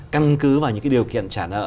căn cứ vào những điều kiện trả nợ